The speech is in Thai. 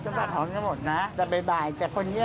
กลับมากินหอมกของแม่บุญมานะดูตลาดสี่ย่านปากซอยหนึ่งนะ